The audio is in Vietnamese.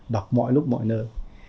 đọc mọi lúc mọi nơi